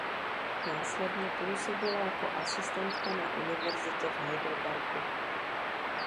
Následně působila jako asistentka na univerzitě v Heidelbergu.